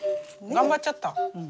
頑張っちゃった。